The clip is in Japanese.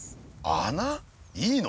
穴？いいの？